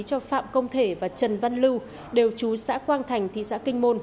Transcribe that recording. cho phạm công thể và trần văn lưu đều chú xã quang thành thị xã kinh môn